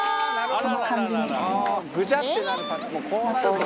こうなるとね。